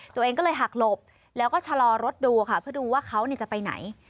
ตัวเองก็เลยหักหลบแล้วก็ชะลอรถดูค่ะเพื่อดูว่าเขาจะไปไหน